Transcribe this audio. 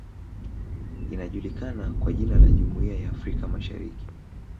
Inajulikana kwa jina la Jumuiya ya Afrika masahariki